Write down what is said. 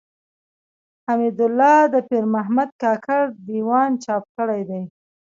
حمدالله د پيرمحمد کاکړ د ېوان چاپ کړی دﺉ.